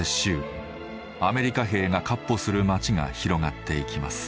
アメリカ兵が闊歩する町が広がっていきます。